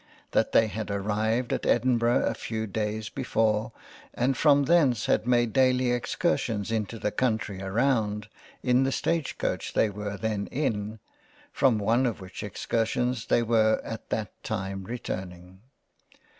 That they had arrived at Edinburgh a few Days before and from thence had made daily Excursions into the Country around in the Stage Coach they were then in, from one of which Excursions 37 £ JANE AUSTEN £ they were at that time returning.